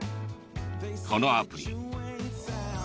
このアプリ。